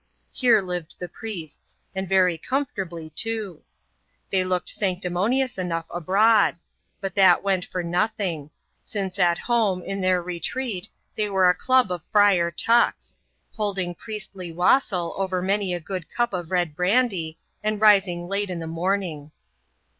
Here lived the priests; and very comfortably too. They looked sanctimonious enough abroad ; but that went for nothing : since at home, in their re^ treat, they were a club of Friar Tucks ; holding priestly wassail over many a good cup of red brandy, and rising late in the morning.